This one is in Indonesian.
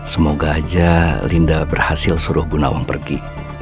semoga aja linda berhasil suruh bu nawang pergi